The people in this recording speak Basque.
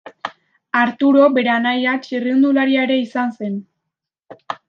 Arturo bere anaia txirrindularia ere izan zen.